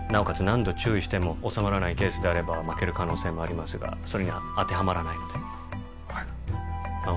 何度注意しても収まらないケースであれば負ける可能性もありますがそれには当てはまらないのではいまあ